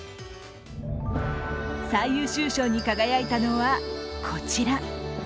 最優秀賞に輝いたのはこちら。